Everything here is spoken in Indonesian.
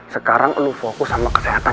sekarang lo fokus sama kesehatan